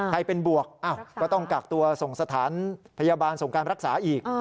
เป็นบวกก็ต้องกักตัวส่งสถานพยาบาลส่งการรักษาอีก